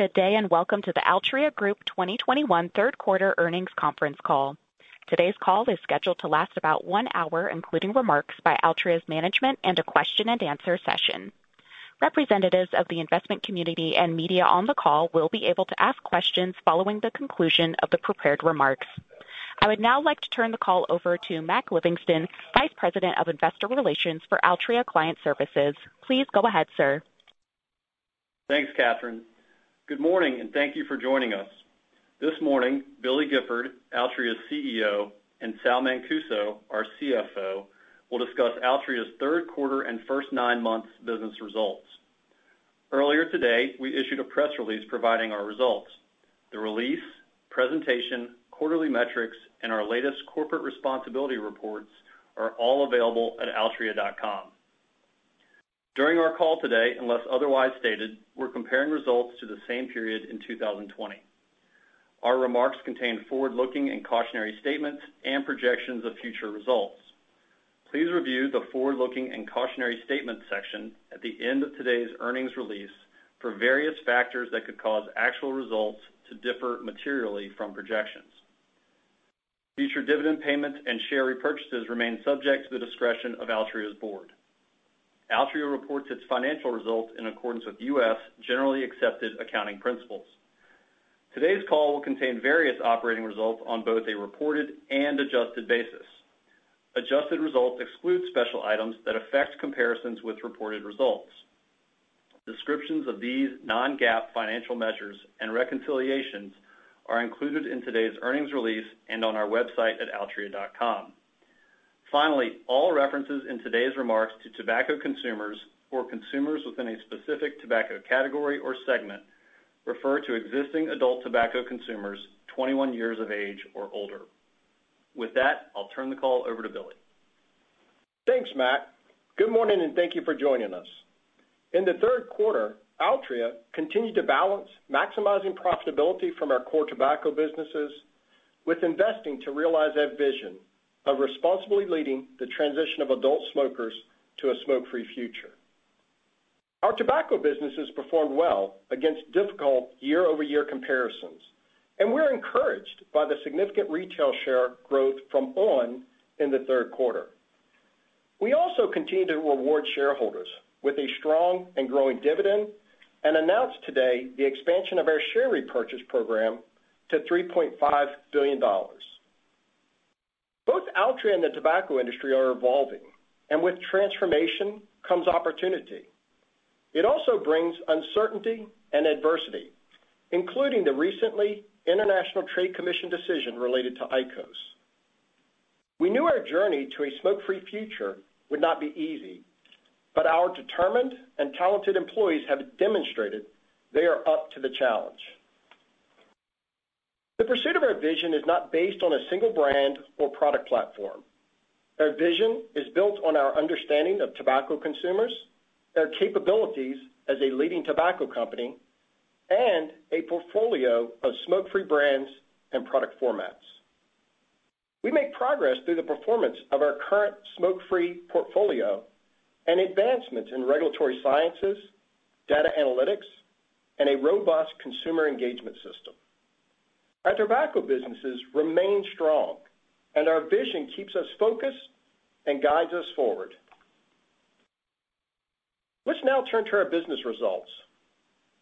Good day, and welcome to the Altria Group 2021 third quarter earnings conference call. Today's call is scheduled to last about one hour, including remarks by Altria's management and a question-and-answer session. Representatives of the investment community and media on the call will be able to ask questions following the conclusion of the prepared remarks. I would now like to turn the call over to Mac Livingston, Vice President of Investor Relations for Altria Client Services. Please go ahead, sir. Thanks, Catherine. Good morning, and thank you for joining us. This morning, Billy Gifford, Altria's CEO, and Sal Mancuso, our CFO, will discuss Altria's third quarter and first nine months business results. Earlier today, we issued a press release providing our results. The release, presentation, quarterly metrics, and our latest corporate responsibility reports are all available at altria.com. During our call today, unless otherwise stated, we're comparing results to the same period in 2020. Our remarks contain forward-looking and cautionary statements and projections of future results. Please review the forward-looking and cautionary statements section at the end of today's earnings release for various factors that could cause actual results to differ materially from projections. Future dividend payments and share repurchases remain subject to the discretion of Altria's board. Altria reports its financial results in accordance with U.S. generally accepted accounting principles. Today's call will contain various operating results on both a reported and adjusted basis. Adjusted results exclude special items that affect comparisons with reported results. Descriptions of these non-GAAP financial measures and reconciliations are included in today's earnings release and on our website at altria.com. Finally, all references in today's remarks to tobacco consumers or consumers within a specific tobacco category or segment refer to existing adult tobacco consumers 21 years of age or older. With that, I'll turn the call over to Billy. Thanks, Mac. Good morning, and thank you for joining us. In the third quarter, Altria continued to balance maximizing profitability from our core tobacco businesses with investing to realize that vision of responsibly leading the transition of adult smokers to a smoke-free future. Our tobacco businesses performed well against difficult year-over-year comparisons, and we're encouraged by the significant retail share growth from on! in the third quarter. We also continue to reward shareholders with a strong and growing dividend and announced today the expansion of our share repurchase program to $3.5 billion. Both Altria and the tobacco industry are evolving, and with transformation comes opportunity. It also brings uncertainty and adversity, including the recent International Trade Commission decision related to IQOS. We knew our journey to a smoke-free future would not be easy, but our determined and talented employees have demonstrated they are up to the challenge. The pursuit of our vision is not based on a single brand or product platform. Our vision is built on our understanding of tobacco consumers, our capabilities as a leading tobacco company, and a portfolio of smoke-free brands and product formats. We make progress through the performance of our current smoke-free portfolio and advancements in regulatory sciences, data analytics, and a robust consumer engagement system. Our tobacco businesses remain strong and our vision keeps us focused and guides us forward. Let's now turn to our business results.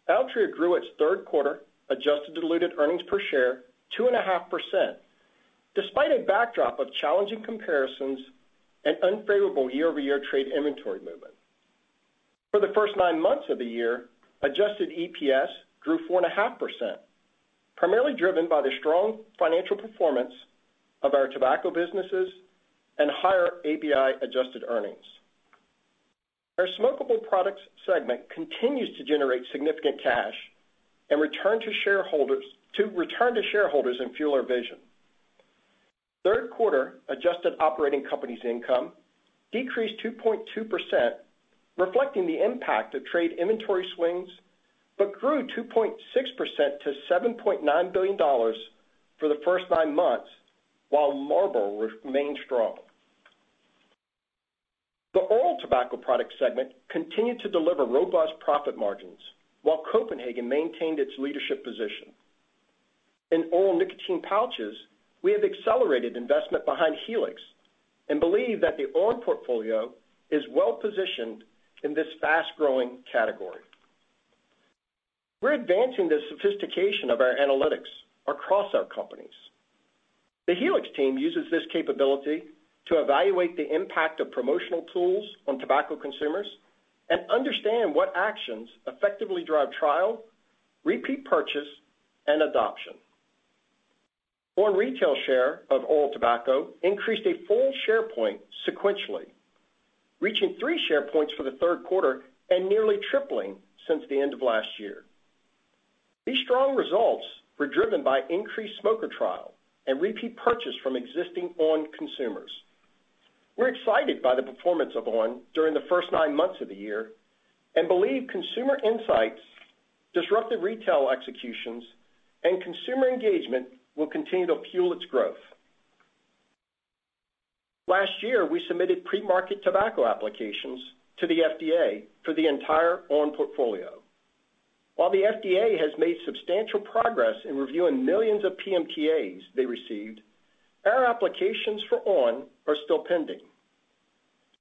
Altria grew its third quarter adjusted diluted earnings per share 2.5%, despite a backdrop of challenging comparisons and unfavorable year-over-year trade inventory movement. For the first nine months of the year, adjusted EPS grew 4.5%, primarily driven by the strong financial performance of our tobacco businesses and higher ABI adjusted earnings. Our smokable products segment continues to generate significant cash and return to shareholders and fuel our vision. Third quarter adjusted operating companies income decreased 2.2%, reflecting the impact of trade inventory swings, but grew 2.6% to $7.9 billion for the first nine months, while Marlboro remained strong. The oral tobacco product segment continued to deliver robust profit margins while Copenhagen maintained its leadership position. In oral nicotine pouches, we have accelerated investment behind Helix and believe that the oral portfolio is well positioned in this fast-growing category. We're advancing the sophistication of our analytics across our companies. The Helix team uses this capability to evaluate the impact of promotional tools on tobacco consumers and understand what actions effectively drive trial, repeat purchase, and adoption. O retail share of oral tobacco increased a full share point sequentially, reaching 3 share points for the third quarter and nearly tripling since the end of last year. These strong results were driven by increased smoker trial and repeat purchase from existing on! consumers. We're excited by the performance of on! during the first nine months of the year and believe consumer insights, disruptive retail executions, and consumer engagement will continue to fuel its growth. Last year, we submitted pre-market tobacco applications to the FDA for the entire on! portfolio. While the FDA has made substantial progress in reviewing millions of PMTAs they received, our applications for on! are still pending.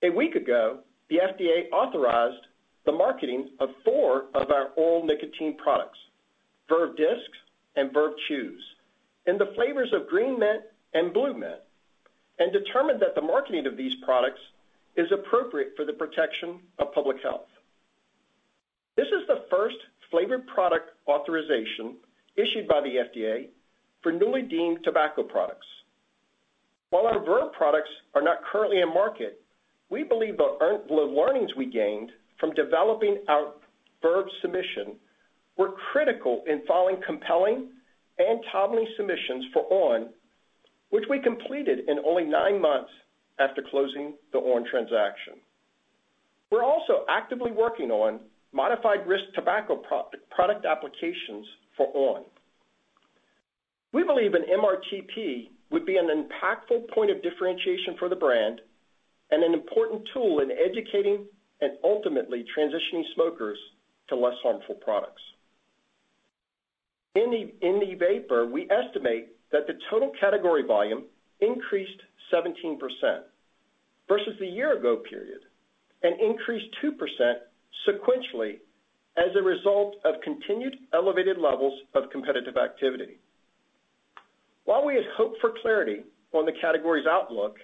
A week ago, the FDA authorized the marketing of four of our oral nicotine products, Verve Discs and Verve Chews, in the flavors of green mint and blue mint, and determined that the marketing of these products is appropriate for the protection of public health. This is the first flavored product authorization issued by the FDA for newly deemed tobacco products. While our Verve products are not currently in market, we believe the learnings we gained from developing our Verve submission were critical in filing compelling and timely submissions for on!, which we completed in only nine months after closing the on! transaction. We're also actively working on modified risk tobacco product applications for on!. We believe an MRTP would be an impactful point of differentiation for the brand and an important tool in educating and ultimately transitioning smokers to less harmful products. In e-vapor, we estimate that the total category volume increased 17% versus the year ago period and increased 2% sequentially as a result of continued elevated levels of competitive activity. While we had hoped for clarity on the category's outlook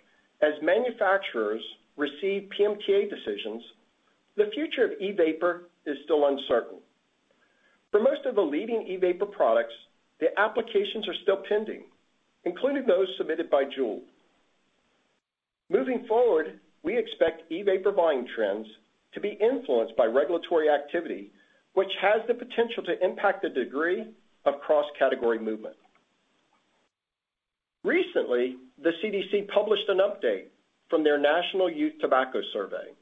as manufacturers receive PMTA decisions, the future of e-vapor is still uncertain. For most of the leading e-vapor products, the applications are still pending, including those submitted by Juul. Moving forward, we expect e-vapor buying trends to be influenced by regulatory activity, which has the potential to impact the degree of cross-category movement. Recently, the CDC published an update from their National Youth Tobacco Survey.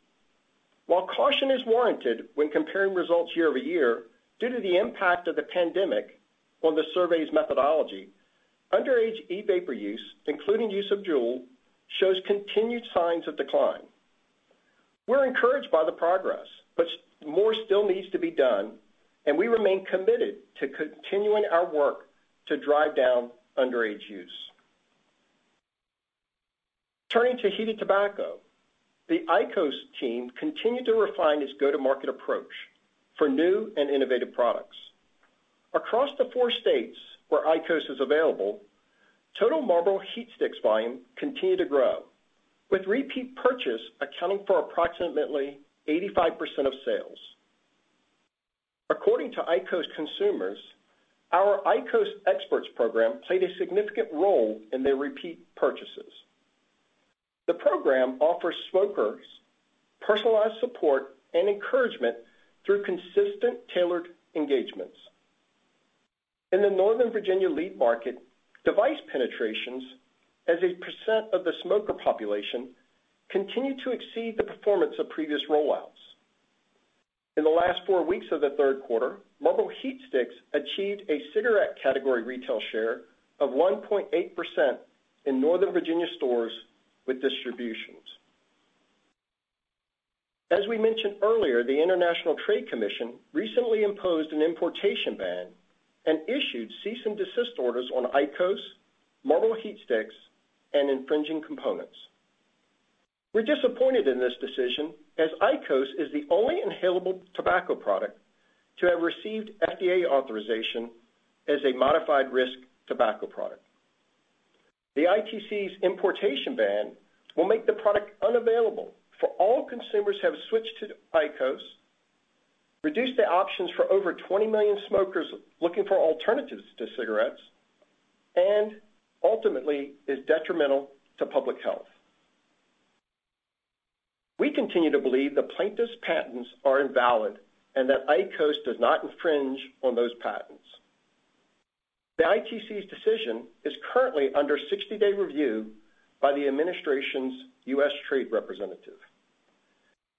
While caution is warranted when comparing results year-over-year due to the impact of the pandemic on the survey's methodology, underage e-vapor use, including use of Juul, shows continued signs of decline. We're encouraged by the progress, but more still needs to be done, and we remain committed to continuing our work to drive down underage use. Turning to heated tobacco, the IQOS team continued to refine its go-to-market approach for new and innovative products. Across the 4 states where IQOS is available, total Marlboro HeatSticks volume continued to grow, with repeat purchase accounting for approximately 85% of sales. According to IQOS consumers, our IQOS Experts program played a significant role in their repeat purchases. The program offers smokers personalized support and encouragement through consistent tailored engagements. In the Northern Virginia lead market, device penetrations as a percent of the smoker population continued to exceed the performance of previous rollouts. In the last 4 weeks of the third quarter, Marlboro HeatSticks achieved a cigarette category retail share of 1.8% in Northern Virginia stores with distributions. As we mentioned earlier, the International Trade Commission recently imposed an importation ban and issued cease and desist orders on IQOS, Marlboro HeatSticks, and infringing components. We're disappointed in this decision as IQOS is the only inhalable tobacco product to have received FDA authorization as a modified risk tobacco product. The ITC's importation ban will make the product unavailable for all consumers who have switched to IQOS, reduce the options for over 20 million smokers looking for alternatives to cigarettes, and ultimately is detrimental to public health. We continue to believe the plaintiffs' patents are invalid and that IQOS does not infringe on those patents. The ITC's decision is currently under 60-day review by the administration's U.S. Trade Representative.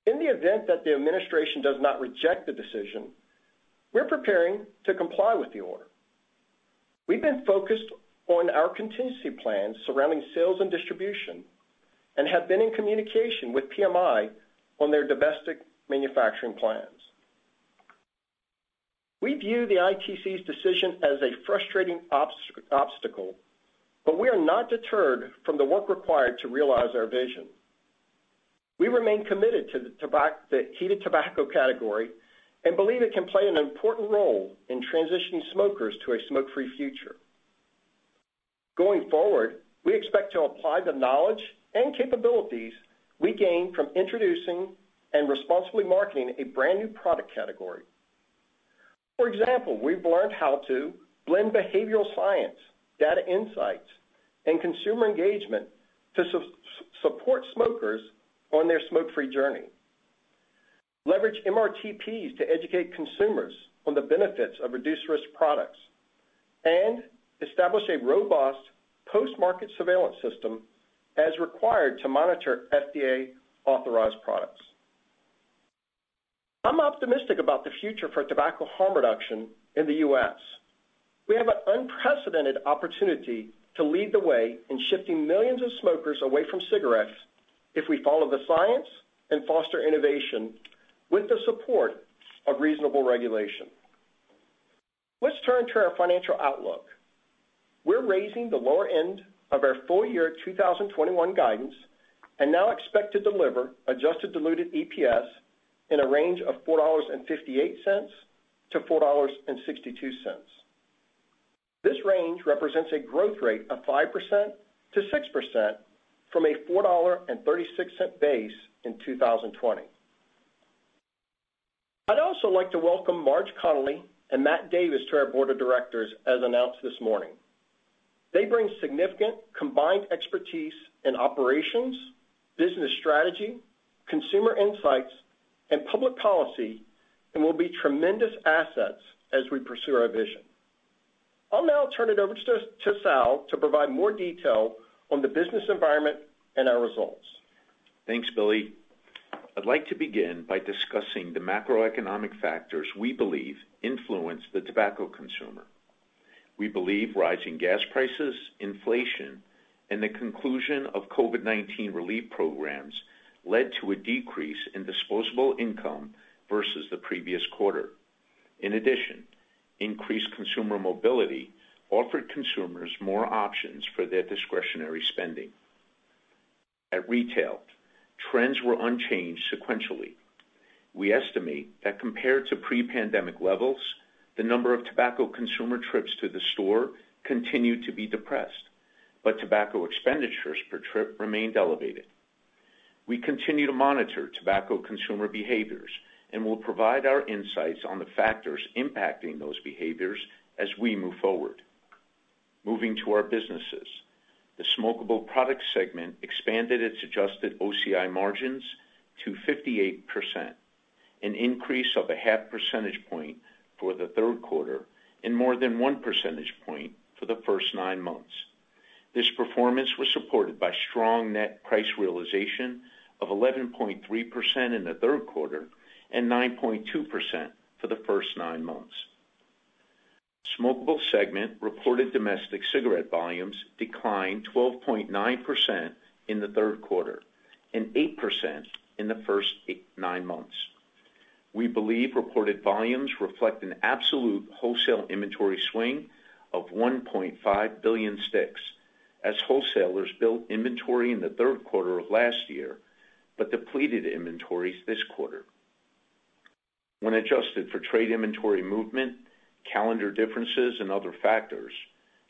In the event that the administration does not reject the decision, we're preparing to comply with the order. We've been focused on our contingency plans surrounding sales and distribution and have been in communication with PMI on their domestic manufacturing plans. We view the ITC's decision as a frustrating obstacle, but we are not deterred from the work required to realize our vision. We remain committed to the heated tobacco category and believe it can play an important role in transitioning smokers to a smoke-free future. Going forward, we expect to apply the knowledge and capabilities we gain from introducing and responsibly marketing a brand new product category. For example, we've learned how to blend behavioral science, data insights, and consumer engagement to support smokers on their smoke-free journey, leverage MRTPs to educate consumers on the benefits of reduced risk products, and establish a robust post-market surveillance system as required to monitor FDA authorized products. I'm optimistic about the future for tobacco harm reduction in the U.S. We have an unprecedented opportunity to lead the way in shifting millions of smokers away from cigarettes if we follow the science and foster innovation with the support of reasonable regulation. Let's turn to our financial outlook. We're raising the lower end of our full year 2021 guidance and now expect to deliver adjusted diluted EPS in a range of $4.58-$4.62. This range represents a growth rate of 5%-6% from a $4.36 base in 2020. I'd also like to welcome Marge Connelly and Matt Davis to our board of directors as announced this morning. They bring significant combined expertise in operations, business strategy, consumer insights, and public policy, and will be tremendous assets as we pursue our vision. I'll now turn it over to Sal to provide more detail on the business environment and our results. Thanks, Billy. I'd like to begin by discussing the macroeconomic factors we believe influence the tobacco consumer. We believe rising gas prices, inflation, and the conclusion of COVID-19 relief programs led to a decrease in disposable income versus the previous quarter. In addition, increased consumer mobility offered consumers more options for their discretionary spending. At retail, trends were unchanged sequentially. We estimate that compared to pre-pandemic levels, the number of tobacco consumer trips to the store continued to be depressed, but tobacco expenditures per trip remained elevated. We continue to monitor tobacco consumer behaviors and will provide our insights on the factors impacting those behaviors as we move forward. Moving to our businesses. The Smokable Products segment expanded its adjusted OCI margins to 58%, an increase of a half percentage point for the third quarter and more than one percentage point for the first nine months. This performance was supported by strong net price realization of 11.3% in the third quarter and 9.2% for the first nine months. Smokable segment reported domestic cigarette volumes declined 12.9% in the third quarter and 8% in the first nine months. We believe reported volumes reflect an absolute wholesale inventory swing of 1.5 billion sticks as wholesalers built inventory in the third quarter of last year, but depleted inventories this quarter. When adjusted for trade inventory movement, calendar differences, and other factors,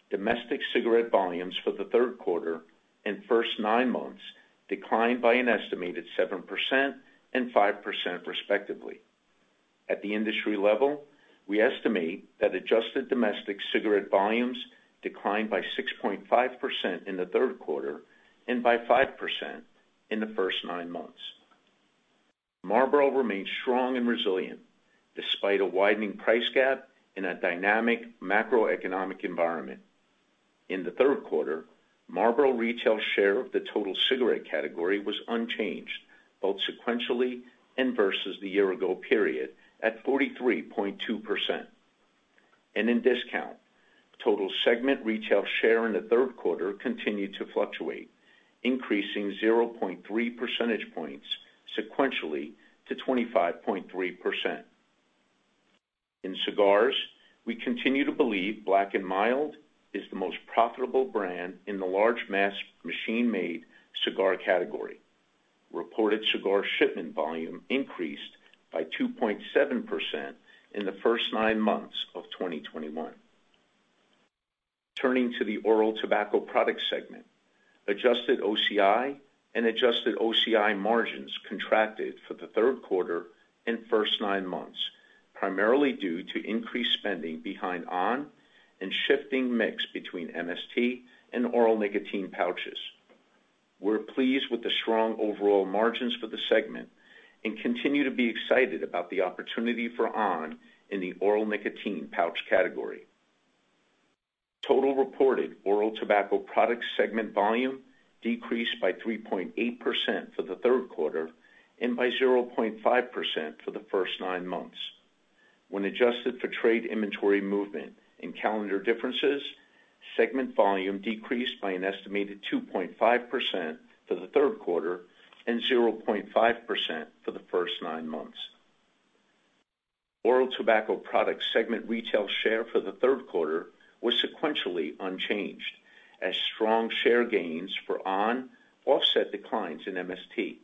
domestic cigarette volumes for the third quarter and first nine months declined by an estimated 7% and 5% respectively. At the industry level, we estimate that adjusted domestic cigarette volumes declined by 6.5% in the third quarter and by 5% in the first nine months. Marlboro remains strong and resilient despite a widening price gap in a dynamic macroeconomic environment. In the third quarter, Marlboro retail share of the total cigarette category was unchanged, both sequentially and versus the year ago period at 43.2%. In discount, total segment retail share in the third quarter continued to fluctuate, increasing 0.3 percentage points sequentially to 25.3%. In cigars, we continue to believe Black & Mild is the most profitable brand in the large mass machine-made cigar category. Reported cigar shipment volume increased by 2.7% in the first nine months of 2021. Turning to the oral tobacco product segment, adjusted OCI and adjusted OCI margins contracted for the third quarter and first nine months, primarily due to increased spending behind on and shifting mix between MST and oral nicotine pouches. We're pleased with the strong overall margins for the segment and continue to be excited about the opportunity for on! in the oral nicotine pouch category. Total reported oral tobacco products segment volume decreased by 3.8% for the third quarter and by 0.5% for the first nine months. When adjusted for trade inventory movement and calendar differences, segment volume decreased by an estimated 2.5% for the third quarter and 0.5% for the first nine months. Oral tobacco products segment retail share for the third quarter was sequentially unchanged as strong share gains for on offset declines in MST.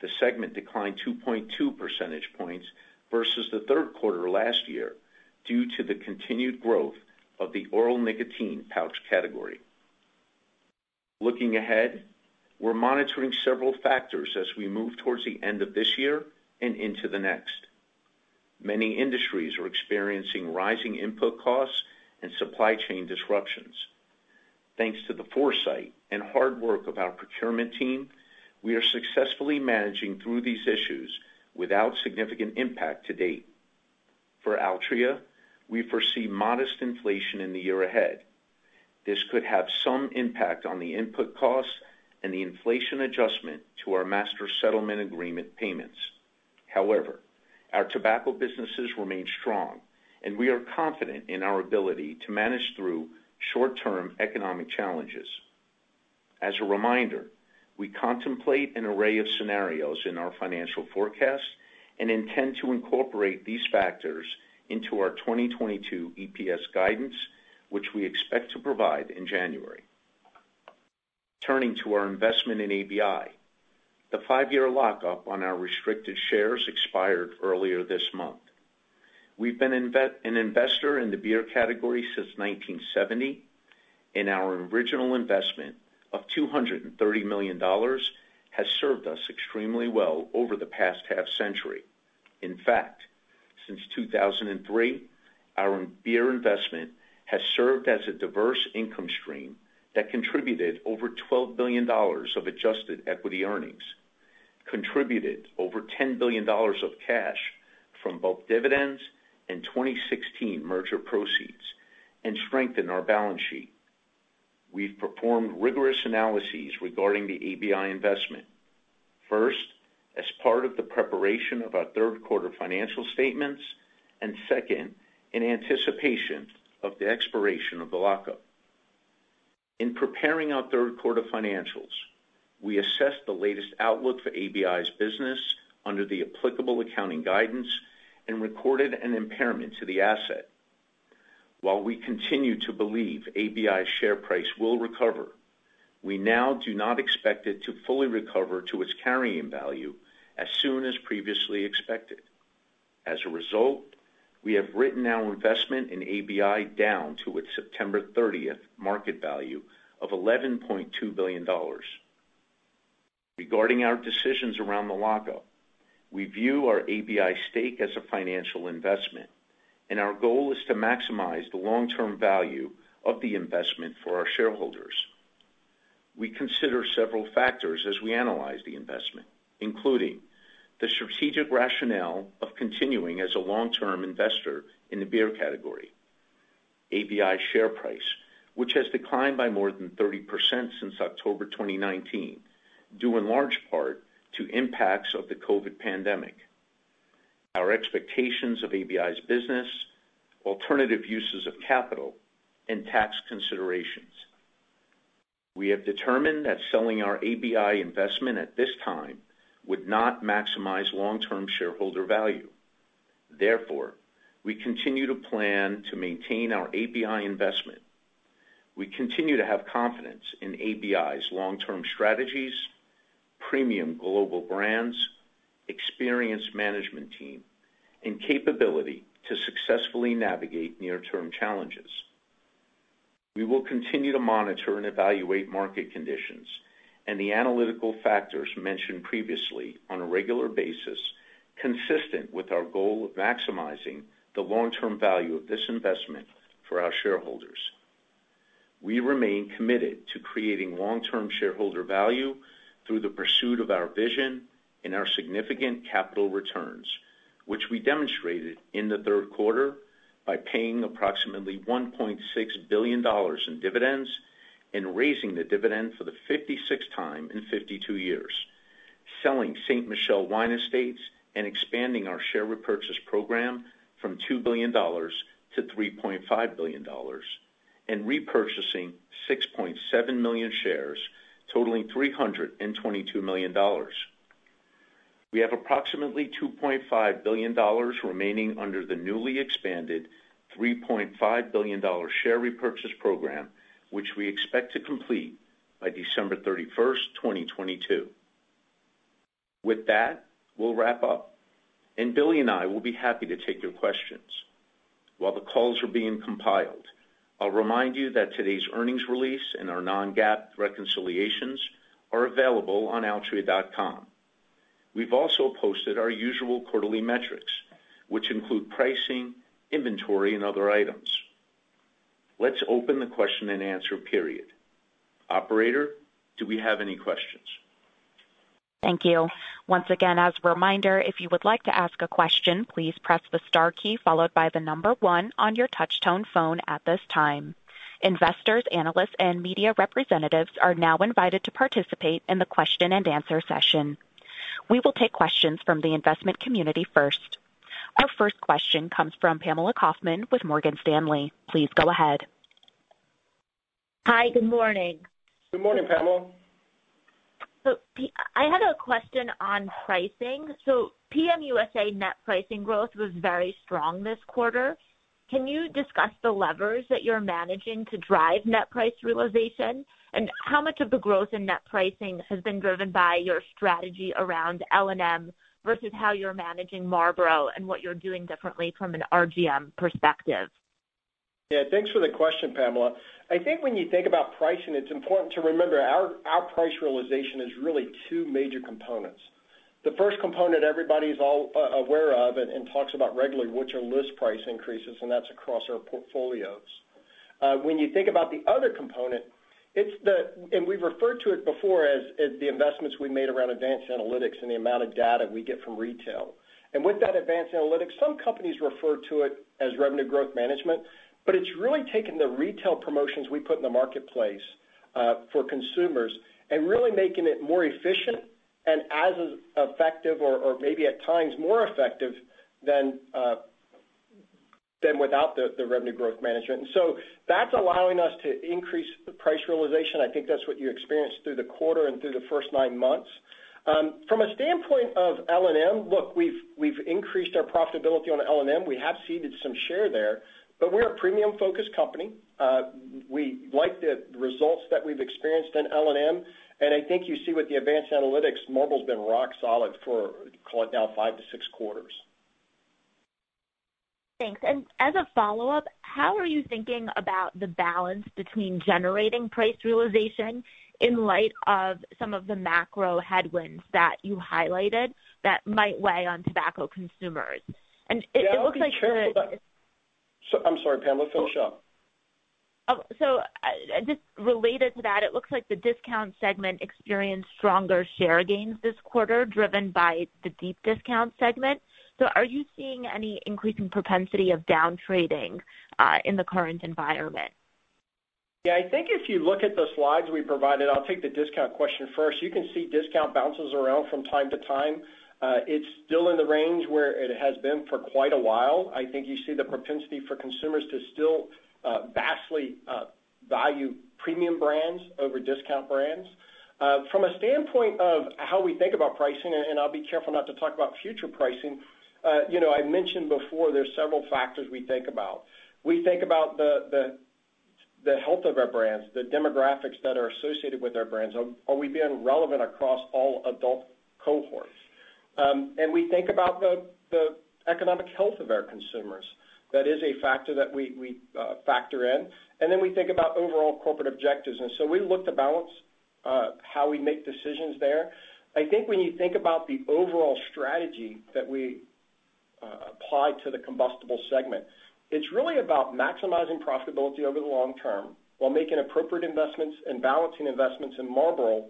The segment declined 2.2 percentage points versus the third quarter last year due to the continued growth of the oral nicotine pouch category. Looking ahead, we're monitoring several factors as we move towards the end of this year and into the next. Many industries are experiencing rising input costs and supply chain disruptions. Thanks to the foresight and hard work of our procurement team, we are successfully managing through these issues without significant impact to date. For Altria, we foresee modest inflation in the year ahead. This could have some impact on the input costs and the inflation adjustment to our Master Settlement Agreement payments. However, our tobacco businesses remain strong, and we are confident in our ability to manage through short-term economic challenges. As a reminder, we contemplate an array of scenarios in our financial forecast and intend to incorporate these factors into our 2022 EPS guidance, which we expect to provide in January. Turning to our investment in ABI, the five-year lockup on our restricted shares expired earlier this month. We've been an investor in the beer category since 1970, and our original investment of $230 million has served us extremely well over the past half century. In fact, since 2003, our beer investment has served as a diverse income stream that contributed over $12 billion of adjusted equity earnings, contributed over $10 billion of cash from both dividends and 2016 merger proceeds, and strengthened our balance sheet. We've performed rigorous analyses regarding the ABI investment, first, as part of the preparation of our third quarter financial statements, and second, in anticipation of the expiration of the lockup. In preparing our third quarter financials, we assessed the latest outlook for ABI's business under the applicable accounting guidance and recorded an impairment to the asset. While we continue to believe ABI's share price will recover, we now do not expect it to fully recover to its carrying value as soon as previously expected. As a result, we have written our investment in ABI down to its September 30 market value of $11.2 billion. Regarding our decisions around the lockup, we view our ABI stake as a financial investment, and our goal is to maximize the long-term value of the investment for our shareholders. We consider several factors as we analyze the investment, including the strategic rationale of continuing as a long-term investor in the beer category, ABI share price, which has declined by more than 30% since October 2019, due in large part to impacts of the COVID pandemic, our expectations of ABI's business, alternative uses of capital, and tax considerations. We have determined that selling our ABI investment at this time would not maximize long-term shareholder value. Therefore, we continue to plan to maintain our ABI investment. We continue to have confidence in ABI's long-term strategies, premium global brands, experienced management team, and capability to successfully navigate near-term challenges. We will continue to monitor and evaluate market conditions and the analytical factors mentioned previously on a regular basis, consistent with our goal of maximizing the long-term value of this investment for our shareholders. We remain committed to creating long-term shareholder value through the pursuit of our vision and our significant capital returns, which we demonstrated in the third quarter by paying approximately $1.6 billion in dividends and raising the dividend for the 56th time in 52 years, selling Ste. Michelle Wine Estates and expanding our share repurchase program from $2 billion to $3.5 billion and repurchasing 6.7 million shares totaling $322 million. We have approximately $2.5 billion remaining under the newly expanded $3.5 billion share repurchase program, which we expect to complete by December 31, 2022. With that, we'll wrap up, and Billy and I will be happy to take your questions. While the calls are being compiled, I'll remind you that today's earnings release and our non-GAAP reconciliations are available on altria.com. We've also posted our usual quarterly metrics, which include pricing, inventory, and other items. Let's open the question-and-answer period. Operator, do we have any questions? Thank you. Once again, as a reminder, if you would like to ask a question, please press the star key followed by the number one on your touch tone phone at this time. Investors, analysts, and media representatives are now invited to participate in the question-and-answer session. We will take questions from the investment community first. Our first question comes from Pamela Kaufman with Morgan Stanley. Please go ahead. Hi, good morning. Good morning, Pamela. I had a question on pricing. PM USA net pricing growth was very strong this quarter. Can you discuss the levers that you're managing to drive net price realization? How much of the growth in net pricing has been driven by your strategy around L&M versus how you're managing Marlboro and what you're doing differently from an RGM perspective? Yeah. Thanks for the question, Pamela. I think when you think about pricing, it's important to remember our price realization is really two major components. The first component everybody's all aware of and talks about regularly, which are list price increases, and that's across our portfolios. When you think about the other component, it's, and we've referred to it before as the investments we made around advanced analytics and the amount of data we get from retail. With that advanced analytics, some companies refer to it as revenue growth management, but it's really taking the retail promotions we put in the marketplace for consumers and really making it more efficient and as effective or maybe at times more effective than without the revenue growth management. That's allowing us to increase the price realization. I think that's what you experienced through the quarter and through the first nine months. From a standpoint of L&M, look, we've increased our profitability on L&M. We have ceded some share there, but we're a premium-focused company. We like the results that we've experienced in L&M, and I think you see with the advanced analytics, Marlboro's been rock solid for, call it now five-six quarters. Thanks. As a follow-up, how are you thinking about the balance between generating price realization in light of some of the macro headwinds that you highlighted that might weigh on tobacco consumers? It looks like you're- I'm sorry, Pamela, finish up. just related to that, it looks like the discount segment experienced stronger share gains this quarter, driven by the deep discount segment. Are you seeing any increase in propensity of downtrading in the current environment? Yeah, I think if you look at the slides we provided, I'll take the discount question first. You can see discount bounces around from time to time. It's still in the range where it has been for quite a while. I think you see the propensity for consumers to still vastly value premium brands over discount brands. From a standpoint of how we think about pricing, and I'll be careful not to talk about future pricing. You know, I mentioned before there's several factors we think about. We think about the health of our brands, the demographics that are associated with our brands. Are we being relevant across all adult cohorts? We think about the economic health of our consumers. That is a factor that we factor in. We think about overall corporate objectives, and so we look to balance how we make decisions there. I think when you think about the overall strategy that we apply to the combustible segment, it's really about maximizing profitability over the long term while making appropriate investments and balancing investments in Marlboro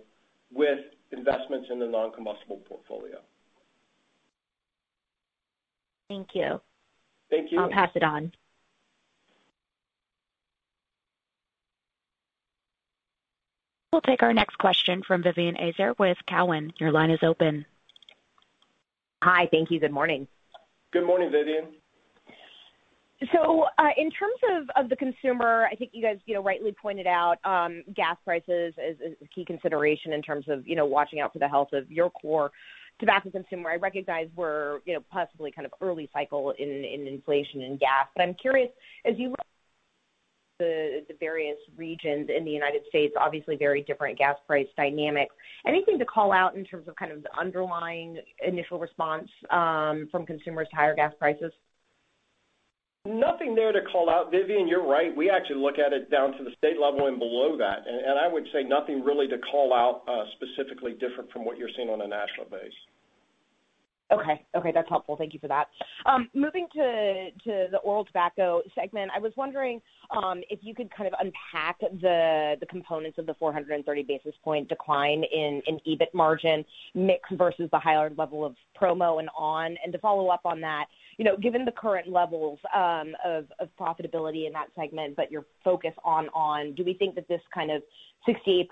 with investments in the non-combustible portfolio. Thank you. Thank you. I'll pass it on. We'll take our next question from Vivien Azer with Cowen. Your line is open. Hi. Thank you. Good morning. Good morning, Vivien. In terms of the consumer, I think you guys, you know, rightly pointed out gas prices as a key consideration in terms of, you know, watching out for the health of your core tobacco consumer. I recognize we're, you know, possibly kind of early cycle in inflation in gas. I'm curious, as you look at the various regions in the United States, obviously very different gas price dynamics, anything to call out in terms of kind of the underlying initial response from consumers to higher gas prices? Nothing there to call out, Vivien. You're right. We actually look at it down to the state level and below that. I would say nothing really to call out, specifically different from what you're seeing on a national basis. Okay. Okay, that's helpful. Thank you for that. Moving to the oral tobacco segment, I was wondering if you could kind of unpack the components of the 430 basis point decline in EBIT margin mix versus the higher level of promo in on!. And to follow up on that, you know, given the current levels of profitability in that segment, but your focus on on!, do we think that this kind of 68%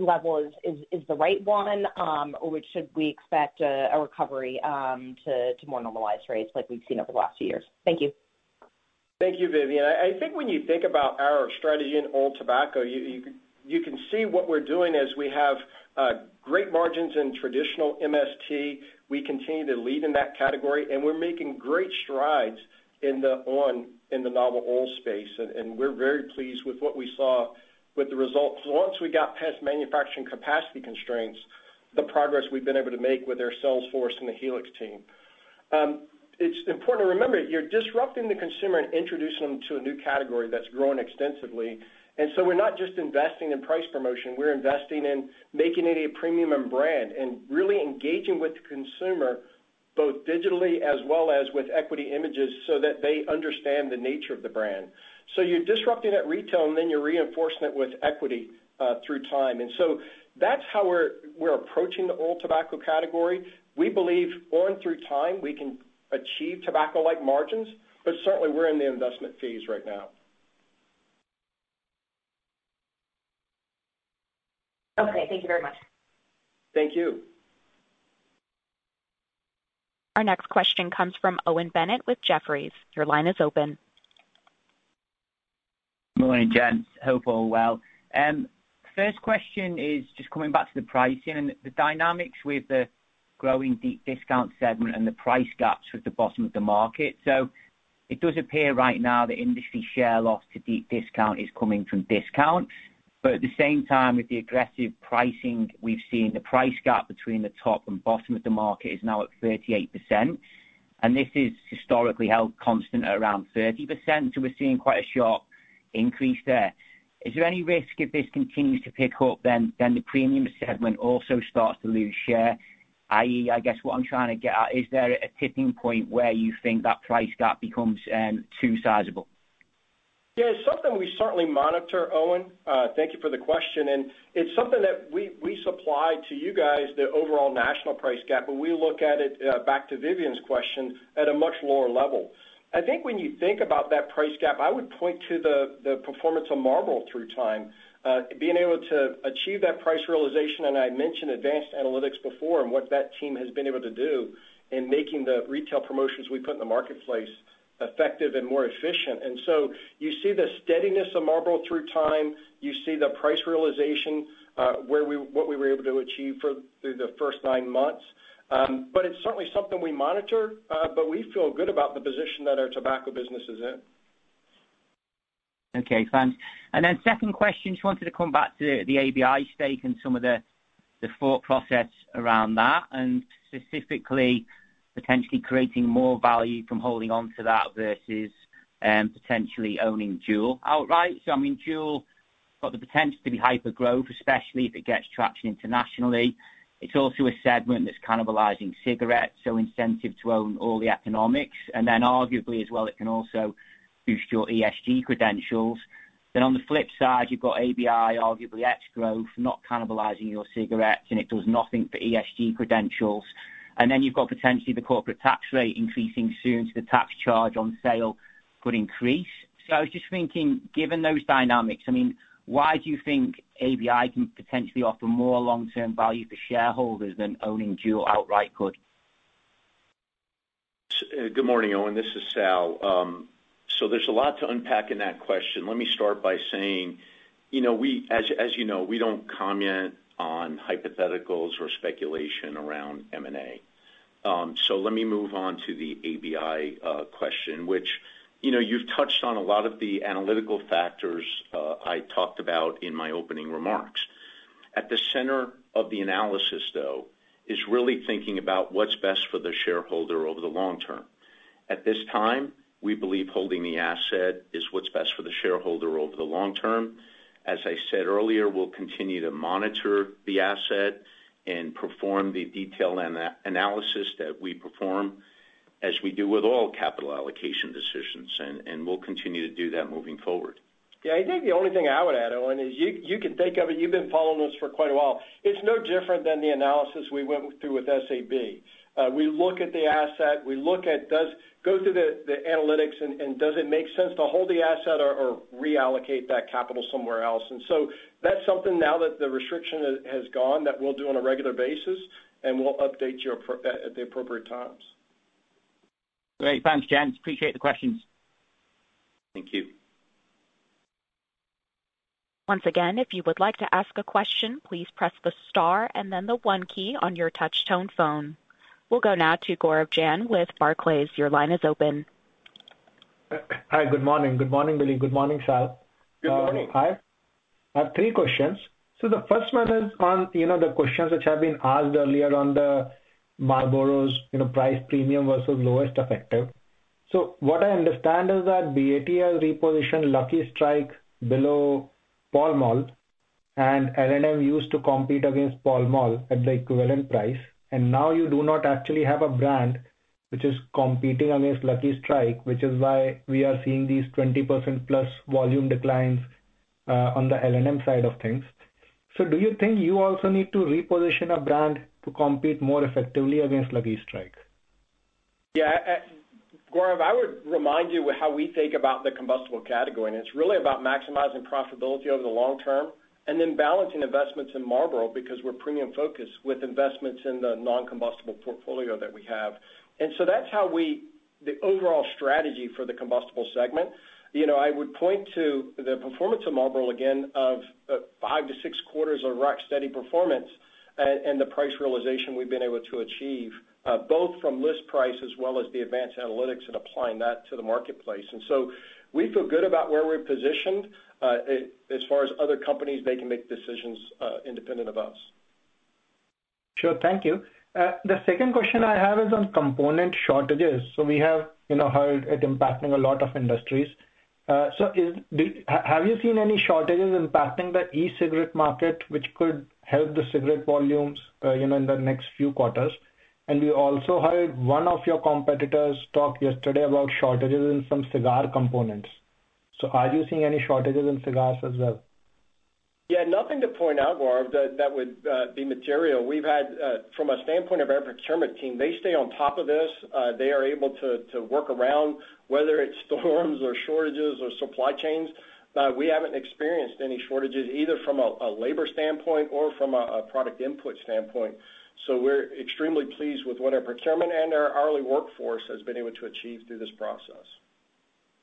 level is the right one? Or should we expect a recovery to more normalized rates like we've seen over the last few years? Thank you. Thank you, Vivien. I think when you think about our strategy in oral tobacco, you can see what we're doing as we have great margins in traditional MST. We continue to lead in that category, and we're making great strides in the on! in the novel oral space. We're very pleased with what we saw with the results once we got past manufacturing capacity constraints, the progress we've been able to make with our sales force and the Helix team. It's important to remember, you're disrupting the consumer and introducing them to a new category that's growing extensively. We're not just investing in price promotion, we're investing in making it a premium brand and really engaging with the consumer, both digitally as well as with equity images, so that they understand the nature of the brand. You're disrupting at retail and then you're reinforcing with equity through time. That's how we're approaching the oral tobacco category. We believe on! through time, we can achieve tobacco-like margins, but certainly we're in the investment phase right now. Okay, thank you very much. Thank you. Our next question comes from Owen Bennett with Jefferies. Your line is open. Morning, gents. Hope all well. First question is just coming back to the pricing and the dynamics with the growing deep discount segment and the price gaps with the bottom of the market. It does appear right now the industry share loss to deep discount is coming from discount. At the same time, with the aggressive pricing we've seen, the price gap between the top and bottom of the market is now at 38%. This is historically held constant at around 30%, so we're seeing quite a sharp increase there. Is there any risk if this continues to pick up, then the premium segment also starts to lose share? I guess what I'm trying to get at is there a tipping point where you think that price gap becomes too sizable? Yeah, it's something we certainly monitor, Owen. Thank you for the question. It's something that we supply to you guys the overall national price gap, but we look at it, back to Vivien's question, at a much lower level. I think when you think about that price gap, I would point to the performance of Marlboro through time, being able to achieve that price realization, and I mentioned advanced analytics before and what that team has been able to do in making the retail promotions we put in the marketplace effective and more efficient. You see the steadiness of Marlboro through time. You see the price realization, where we were able to achieve through the first nine months. It's certainly something we monitor, but we feel good about the position that our tobacco business is in. Okay, thanks. Second question, just wanted to come back to the ABI stake and some of the thought process around that and specifically potentially creating more value from holding on to that versus potentially owning Juul outright. I mean, Juul got the potential to be hyper-growth, especially if it gets traction internationally. It's also a segment that's cannibalizing cigarettes, so incentive to own all the economics. Arguably as well, it can also boost your ESG credentials. On the flip side, you've got ABI, arguably ex-growth, not cannibalizing your cigarettes, and it does nothing for ESG credentials. You've got potentially the corporate tax rate increasing soon, so the tax charge on sale could increase. I was just thinking, given those dynamics, I mean, why do you think ABI can potentially offer more long-term value for shareholders than owning Juul outright could? Good morning, Owen. This is Sal. There's a lot to unpack in that question. Let me start by saying, you know, as you know, we don't comment on hypotheticals or speculation around M&A. Let me move on to the ABI question, which, you know, you've touched on a lot of the analytical factors I talked about in my opening remarks. At the center of the analysis, though, is really thinking about what's best for the shareholder over the long term. At this time, we believe holding the asset is what's best for the shareholder over the long term. As I said earlier, we'll continue to monitor the asset and perform the detailed analysis that we perform as we do with all capital allocation decisions, and we'll continue to do that moving forward. Yeah, I think the only thing I would add, Owen, is you can think of it. You've been following us for quite a while. It's no different than the analysis we went through with SABMiller. We look at the asset, go through the analytics and does it make sense to hold the asset or reallocate that capital somewhere else. That's something now that the restriction has gone that we'll do on a regular basis, and we'll update you at the appropriate times. Great. Thanks, gents. Appreciate the questions. Thank you. Once again, if you would like to ask a question, please press the star and then the 1 key on your touch tone phone. We'll go now to Gaurav Jain with Barclays. Your line is open. Hi, good morning. Good morning, Billy. Good morning, Sal. Good morning. Hi. I have three questions. The first one is on, you know, the questions which have been asked earlier on the Marlboro's, you know, price premium versus lowest effective. What I understand is that BAT has repositioned Lucky Strike below Pall Mall, and L&M used to compete against Pall Mall at the equivalent price. And now you do not actually have a brand which is competing against Lucky Strike, which is why we are seeing these 20%+ volume declines on the L&M side of things. Do you think you also need to reposition a brand to compete more effectively against Lucky Strike? Gaurav, I would remind you how we think about the combustible category, and it's really about maximizing profitability over the long term and then balancing investments in Marlboro because we're premium focused with investments in the non-combustible portfolio that we have. That's the overall strategy for the combustible segment. You know, I would point to the performance of Marlboro again of 5-6 quarters of rock steady performance and the price realization we've been able to achieve, both from list price as well as the advanced analytics and applying that to the marketplace. We feel good about where we're positioned. As far as other companies, they can make decisions independent of us. Sure. Thank you. The second question I have is on component shortages. We have, you know, heard it impacting a lot of industries. Have you seen any shortages impacting the e-cigarette market, which could help the cigarette volumes, you know, in the next few quarters? We also heard one of your competitors talk yesterday about shortages in some cigar components. Are you seeing any shortages in cigars as well? Yeah, nothing to point out, Gaurav, that would be material. We've had from a standpoint of our procurement team, they stay on top of this. They are able to work around whether it's storms or shortages or supply chains. We haven't experienced any shortages, either from a labor standpoint or from a product input standpoint. We're extremely pleased with what our procurement and our hourly workforce has been able to achieve through this process.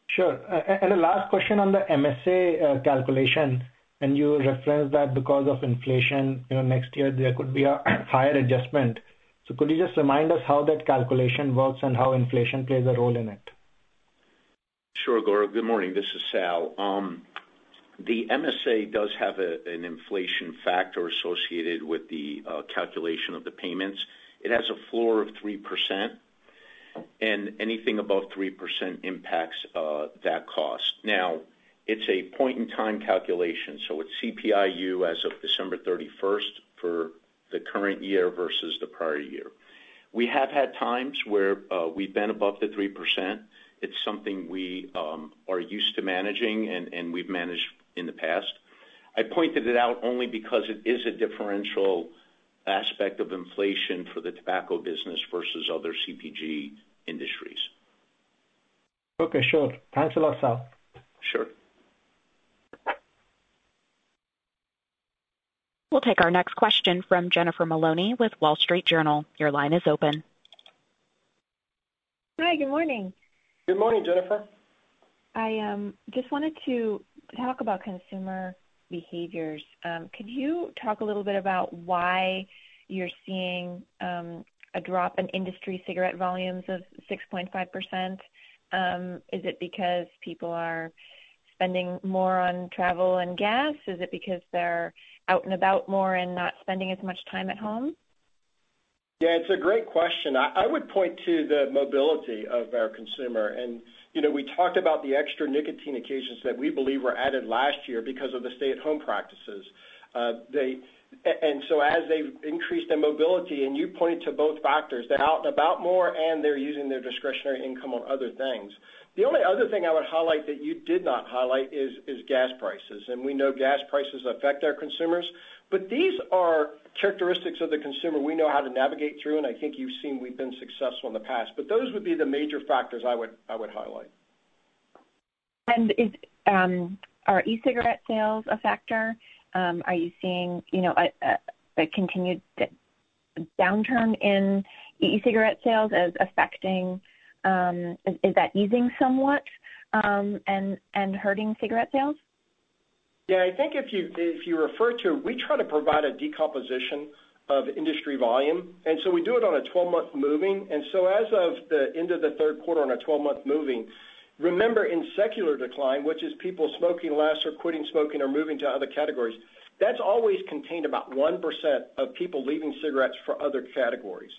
Sure. The last question on the MSA calculation, and you referenced that because of inflation, you know, next year there could be a higher adjustment. Could you just remind us how that calculation works and how inflation plays a role in it? Sure, Gaurav. Good morning. This is Sal. The MSA does have an inflation factor associated with the calculation of the payments. It has a floor of 3% Anything above 3% impacts that cost. Now it's a point in time calculation, so it's CPI-U as of December thirty-first for the current year versus the prior year. We have had times where we've been above the 3%. It's something we are used to managing and we've managed in the past. I pointed it out only because it is a differential aspect of inflation for the tobacco business versus other CPG industries. Okay, sure. Thanks a lot, Sal. Sure. We'll take our next question from Jennifer Maloney with Wall Street Journal. Your line is open. Hi. Good morning. Good morning, Jennifer. I just wanted to talk about consumer behaviors. Could you talk a little bit about why you're seeing a drop in industry cigarette volumes of 6.5%? Is it because people are spending more on travel and gas? Is it because they're out and about more and not spending as much time at home? Yeah, it's a great question. I would point to the mobility of our consumer. You know, we talked about the extra nicotine occasions that we believe were added last year because of the stay-at-home practices. As they've increased their mobility and you pointed to both factors, they're out and about more, and they're using their discretionary income on other things. The only other thing I would highlight that you did not highlight is gas prices, and we know gas prices affect our consumers. These are characteristics of the consumer we know how to navigate through, and I think you've seen we've been successful in the past. Those would be the major factors I would highlight. Are e-cigarette sales a factor? Are you seeing, you know, a continued downturn in e-cigarette sales as affecting, is that easing somewhat, and hurting cigarette sales? Yeah, I think if you refer to it, we try to provide a decomposition of industry volume, and we do it on a 12-month moving. As of the end of the third quarter on a 12-month moving, remember in secular decline, which is people smoking less or quitting smoking or moving to other categories, that's always contained about 1% of people leaving cigarettes for other categories.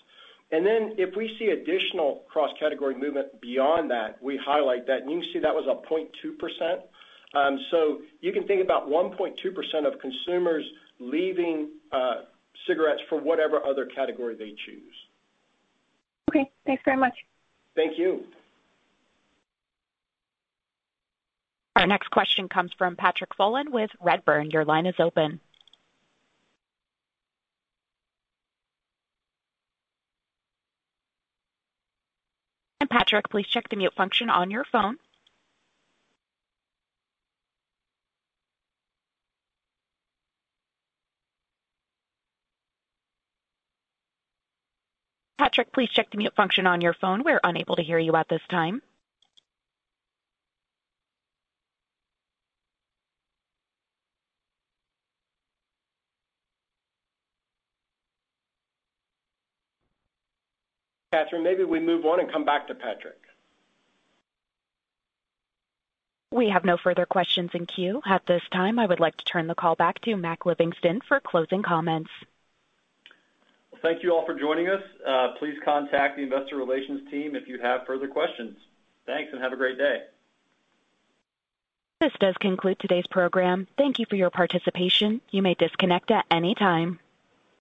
Then if we see additional cross-category movement beyond that, we highlight that, and you can see that was a 0.2%. So you can think about 1.2% of consumers leaving cigarettes for whatever other category they choose. Okay, thanks very much. Thank you. Our next question comes from Patrick Folan with Redburn. Your line is open. Patrick, please check the mute function on your phone. We're unable to hear you at this time. Katherine, maybe we move on and come back to Patrick. We have no further questions in queue. At this time, I would like to turn the call back to Mac Livingston for closing comments. Well, thank you all for joining us. Please contact the investor relations team if you have further questions. Thanks, and have a great day. This does conclude today's program. Thank you for your participation. You may disconnect at any time.